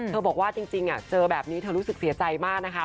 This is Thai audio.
บอกว่าจริงเจอแบบนี้เธอรู้สึกเสียใจมากนะคะ